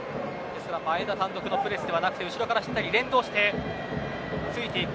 前田単独のプレスではなくて後ろからしっかり連動してついていく。